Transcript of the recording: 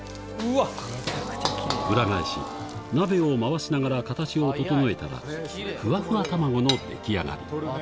裏返し、鍋を回しながら形を整えたら、ふわふわ卵の出来上がり。